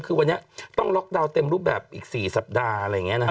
คือวันนี้ต้องล็อกดาวน์เต็มรูปแบบอีก๔สัปดาห์อะไรอย่างนี้นะฮะ